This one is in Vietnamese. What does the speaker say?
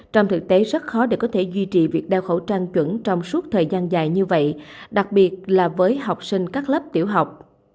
trong thực tế rất khó để có thể duy trì việc đeo khẩu trang chuẩn trong suốt thời gian dài như vậy đặc biệt là với học sinh các lớp tiểu học